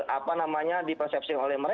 apa namanya di persepsi orang lain